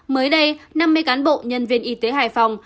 mới đây năm mươi cán bộ nhân viên y tế hải phòng